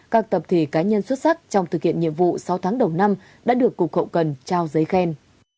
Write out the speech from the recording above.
các tập thể cá nhân xuất sắc trong thực hiện nhiệm vụ sáu tháng đầu năm đã được cục hậu cần trao giấy khen